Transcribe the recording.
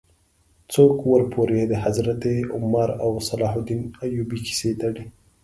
څوک ورپورې د حضرت عمر او صلاح الدین ایوبي کیسه تړي.